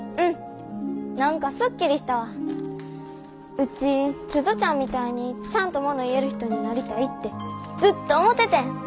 ウチ鈴ちゃんみたいにちゃんともの言える人になりたいってずっと思ててん。